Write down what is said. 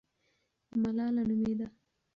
ملاله نومېده.